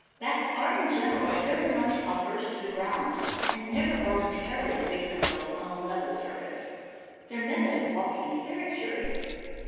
Bats are in general very much averse to the ground, and never voluntarily place themselves on a level surface. Their method of walking is very curious.